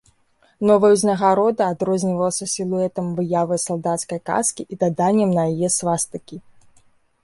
Новая узнагарода адрознівалася сілуэтам выявы салдацкай каскі і даданнем на яе свастыкі.